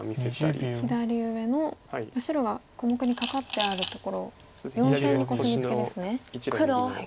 左上の白が小目にカカってあるところ４線にコスミツケですね。